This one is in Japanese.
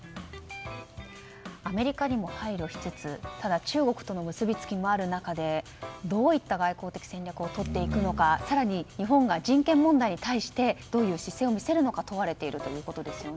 アメリカにも配慮しつつただ中国との結びつきもある中でどういった外交的戦略をとっていくのか更に日本が人権問題に対してどういう姿勢を見せるのか問われているということですよね。